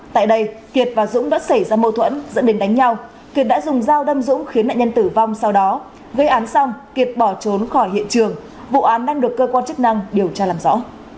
tại đây kiệt và dũng đã xảy ra mâu thuẫn dẫn đến đánh nhau kiệt đã dùng dao đâm dũng khiến nạn nhân tử vong sau đó gây án xong kiệt bỏ trốn khỏi hiện trường vụ án đang được cơ quan chức năng điều tra làm rõ